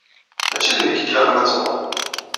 Mačči d nekk i ilaqen ad truḥ.